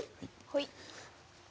はい。